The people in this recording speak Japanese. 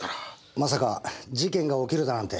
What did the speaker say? まさか事件が起きるだなんて。